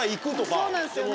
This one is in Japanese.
そうなんですよね。